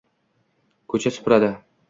koʼcha supuradi